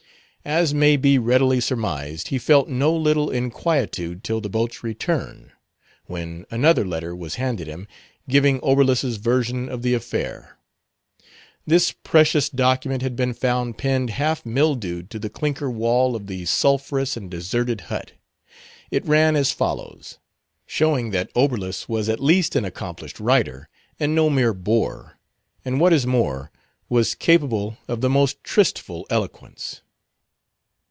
As may be readily surmised, he felt no little inquietude till the boat's return: when another letter was handed him, giving Oberlus's version of the affair. This precious document had been found pinned half mildewed to the clinker wall of the sulphurous and deserted hut. It ran as follows: showing that Oberlus was at least an accomplished writer, and no mere boor; and what is more, was capable of the most tristful eloquence.